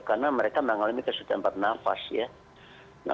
karena mereka mengalami kesulitan pernafas ya